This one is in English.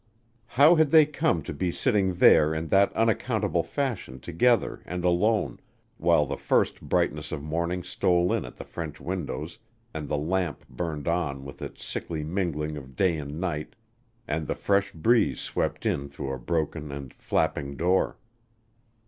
How had they come to be sitting there in that unaccountable fashion together and alone, while the first brightness of morning stole in at the French windows and the lamp burned on with its sickly mingling of day and night and the fresh breeze swept in through a broken and flapping door?